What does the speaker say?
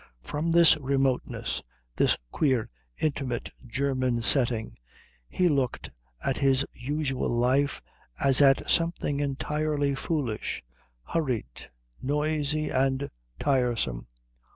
From this remoteness, this queer intimate German setting, he looked at his usual life as at something entirely foolish, hurried, noisy, and tiresome.